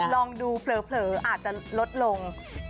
ลองดูเผลออาจจะลดลง